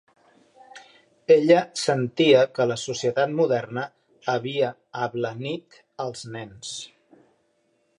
Ella sentia que la societat moderna havia "ablanit" als nens.